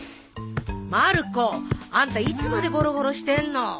まる子！あんたいつまでゴロゴロしてんの。